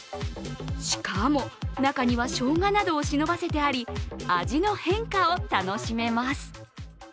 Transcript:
しかも、中にはしょうがなどを忍ばせてあり味の変化を楽しめます。